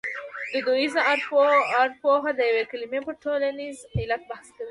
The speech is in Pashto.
دودیزه ارپوهه د یوې کلمې پر ټولنیز علت بحث کوي